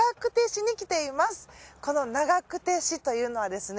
この長久手市というのはですね。